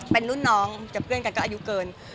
เป็นรุ่นน้องกับเพื่อนกันก็อายุเกิน